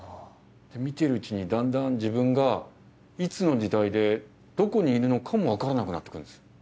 で見ているうちにだんだん自分がいつの時代でどこにいるのかもわからなくなってくるんです。